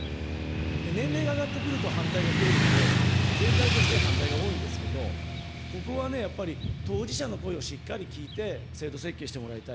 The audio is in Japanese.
年齢が上がってくると反対が増えるので、全体として反対が多いんですけど、ここはね、やっぱり当事者の声をしっかり聞いて、制度設計してもらいたい。